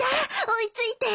追い付いて。